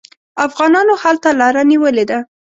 افغانانو هلته لاره نیولې ده.